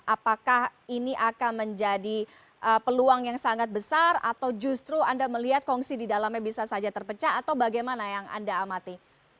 apakah ini akan menjadi peluang yang sangat besar atau justru anda melihat kongsi di dalamnya bisa saja terpecah atau bagaimana yang anda amati